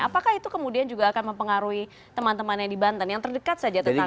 apakah itu kemudian juga akan mempengaruhi teman temannya di banten yang terdekat saja